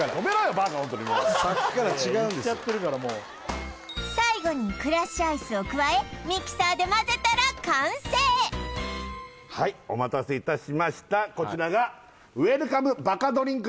バカホントにもうさっきから違うんですいやいっちゃってるからもう最後にクラッシュアイスを加えミキサーで混ぜたら完成はいお待たせいたしましたこちらがバカドリンク？